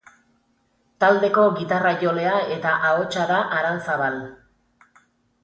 Taldeko gitarra-jolea eta ahotsa da Aranzabal.